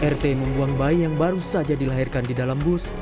rt membuang bayi yang baru saja dilahirkan di dalam bus